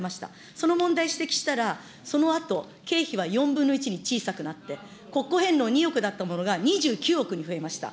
その問題指摘したら、そのあと、経費が４分の１に小さくなって、国庫返納２億だったものが２９億に増えました。